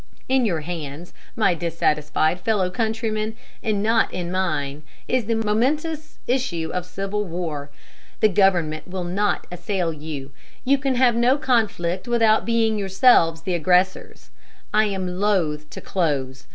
In your hands, my dissatisfied fellow countrymen, and not in mine, is the momentous issue of civil war. The government will not assail you. You can have no conflict without being yourselves the aggressors.... I am loath to close.